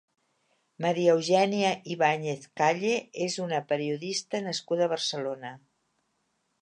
María Eugenia Ibáñez Calle és una periodista nascuda a Barcelona.